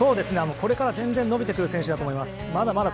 これから全然伸びてくる選手だと思います。